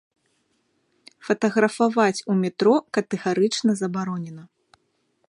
Фатаграфаваць у метро катэгарычна забаронена.